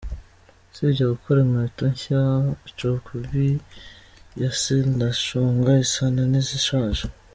Usibye gukora inkweto nshya, Acokivi ya Sendashonga isana n’izishaje.